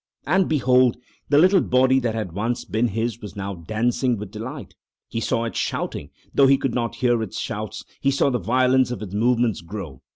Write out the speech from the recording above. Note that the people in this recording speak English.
And behold! the little body that had once been his was now dancing with delight. He saw it shouting, though he could not hear its shouts; he saw the violence of its movements grow.